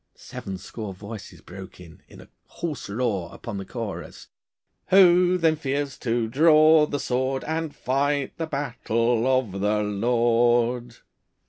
Seven score voices broke in, in a hoarse roar, upon the chorus 'Who then fears to draw the sword, And fight the battle of the Lord?